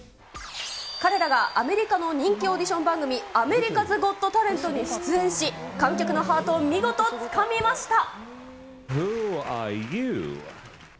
彼らがアメリカの人気オーディション番組、アメリカズ・ゴット・タレントに出演し、観客のハートを見事、つかみました。